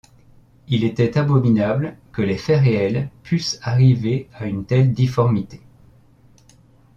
Il était abominable que les faits réels pussent arriver à une telle difformité.